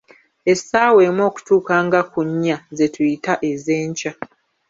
Essaawa emu okutuuka nga ku nnya, ze tuyita ez'enkya.